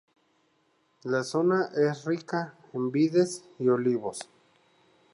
La zona es rica en vides y olivos.